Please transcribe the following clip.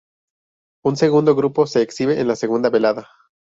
Un segundo grupo se exhibe en la segunda velada.